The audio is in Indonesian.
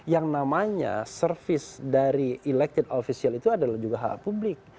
yang namanya service dari elected official itu adalah juga hak publik